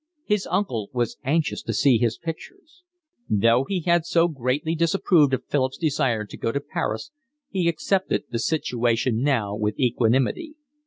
His uncle was anxious to see his pictures. Though he had so greatly disapproved of Philip's desire to go to Paris, he accepted the situation now with equanimity.